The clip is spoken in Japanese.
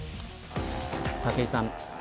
武井さん